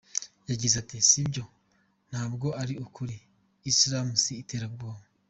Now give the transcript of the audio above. Yagize ati “Si byo, ntabwo ari ukuri, Islam si iterabwoba.